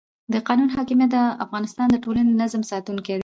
د قانون حاکمیت د افغانستان د ټولنې د نظم ساتونکی دی